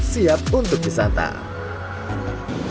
siap untuk disantap